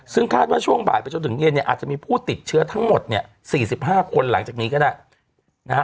ซึ่งคาดว่าช่วงบ่ายไปจนถึงเย็นเนี่ยอาจจะมีผู้ติดเชื้อทั้งหมดเนี่ย๔๕คนหลังจากนี้ก็ได้นะฮะ